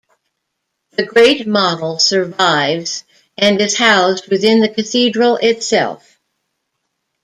The Great Model survives and is housed within the Cathedral itself.